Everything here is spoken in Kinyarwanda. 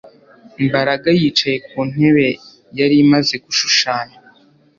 Mbaraga yicaye ku ntebe yari imaze gushushanya